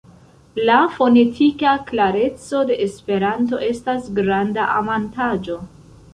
La fonetika klareco de Esperanto estas granda avantaĝo.